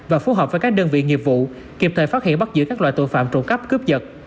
và phù hợp với các đơn vị nghiệp vụ kịp thời phát hiện bắt giữ các loại tội phạm trộm cắp cướp giật